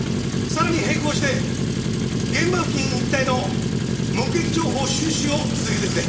さらに並行して現場付近一帯の目撃情報収集を続けてくれ。